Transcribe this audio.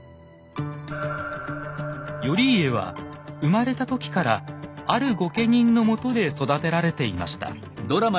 頼家は生まれた時からある御家人のもとで育てられていました。